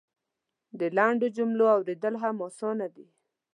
د لنډو جملو اورېدل هم اسانه دی.